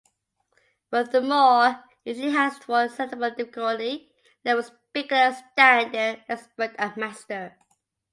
Furthermore, each league has four selectable difficulty levels: beginner, standard, expert, and master.